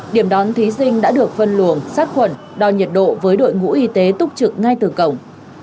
điểm đón thí sinh đã được phân luồng sát khuẩn đo nhiệt độ với đội ngũ y tế túc trực ngay từ cổng